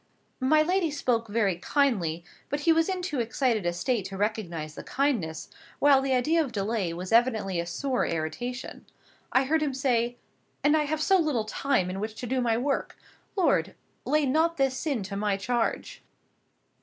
My lady spoke very kindly; but he was in too excited a state to recognize the kindness, while the idea of delay was evidently a sore irritation. I heard him say: "And I have so little time in which to do my work. Lord! lay not this sin to my charge."